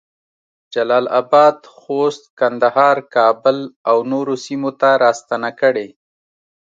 جلال اباد، خوست، کندهار، کابل اونورو سیمو ته راستنه کړې